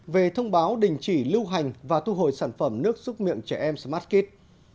về thông báo đình chỉ lưu hành và thu hồi sản phẩm nước xúc miệng trẻ em smartit